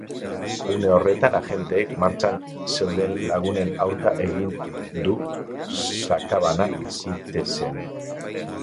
Une horretan, agenteek martxan zeuden lagunen aurka egin du sakabana zitezen.